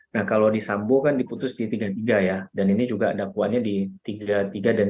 nah kalau di sambo kan diputus di tiga puluh tiga ya dan ini juga dakwaannya di tiga puluh tiga dan tiga